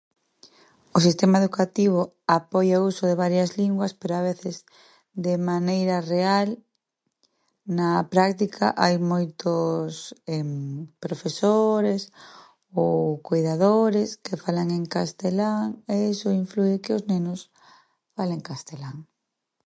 O sistema educativo apoia o uso de varias linguas, pero a veces de maneira real... na práctica hai moitos profesores ou cuidadores que falan en castelán e iso inflúe que os nenos falen castelán.